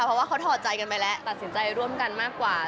เพราะว่าเขาถอดใจกันไปแล้วตัดสินใจร่วมกันมากกว่า